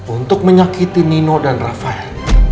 untuk menyakiti nino dan rafael